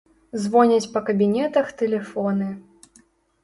Звоняць па кабінетах тэлефоны.